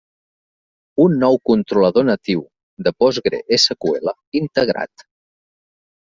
Un nou controlador natiu de PostgreSQL integrat.